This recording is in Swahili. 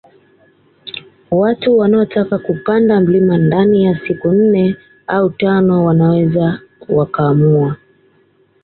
Watu wanaotaka kupanda mlima ndani ya siku nne au tano wanaweza wakaamua